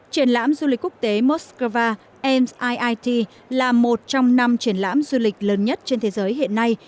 triển lãm du lịch quốc tế moscow mit là một trong năm triển lãm du lịch lớn nhất trên thế giới hiện nay